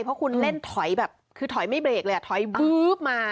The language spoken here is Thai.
เพราะคุณเล่นถอยแบบคือถอยไม่เบรกเลยอ่ะถอยบึ๊บมา